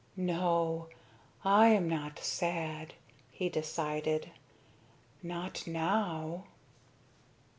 No, I am not sad," he decided, "not now."